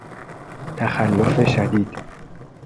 تخلف شدید